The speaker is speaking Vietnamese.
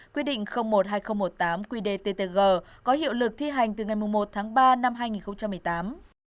quy định một hai nghìn một mươi tám quy đề ttg có hiệu lực thi hành từ ngày một tháng ba năm hai nghìn một mươi tám